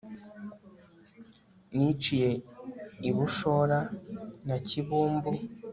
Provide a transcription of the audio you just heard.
Niciye i Bushora na Kibumbu